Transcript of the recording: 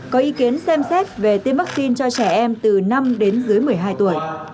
có ý kiến xem xét về tiêm vaccine cho trẻ em từ năm đến dưới một mươi hai tuổi